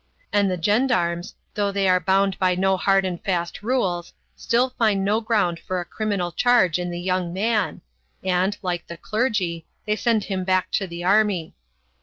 And the gendarmes, though they are bound by no hard and fast rules, still find no ground for a criminal charge in the young man, and, like the clergy, they send him back to the army.